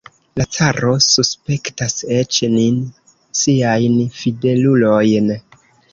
La caro suspektas eĉ nin, siajn fidelulojn!